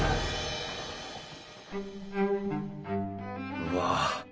うわ！